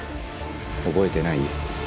覚えてない？